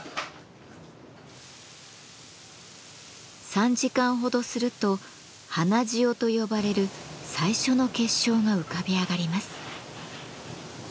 ３時間ほどすると「花塩」と呼ばれる最初の結晶が浮かび上がります。